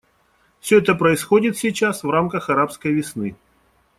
Все это происходит сейчас в рамках «арабской весны».